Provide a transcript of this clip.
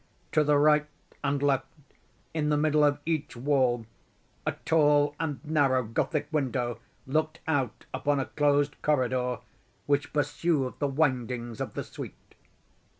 To the right and left, in the middle of each wall, a tall and narrow Gothic window looked out upon a closed corridor which pursued the windings of the suite.